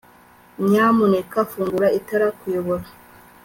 Nyamuneka fungura itara kuyobora